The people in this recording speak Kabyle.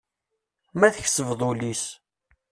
Ma tkesbeḍ ul-is.